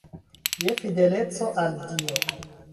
Je fideleco al Dio.